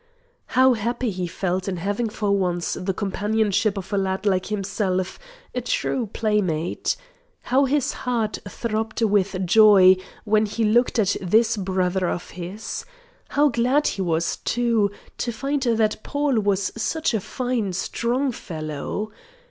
How happy he felt in having for once the companionship of a lad like himself a true playmate. How his heart throbbed with joy when he looked at this brother of his. How glad he was, too, to find that Paul was such a fine strong fellow.